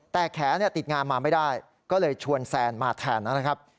แต่แขนติดงานมาไม่ได้ก็เลยชวนแซนมาแทนนะครับ